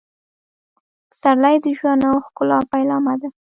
پسرلی د ژوند او ښکلا پیلامه ده.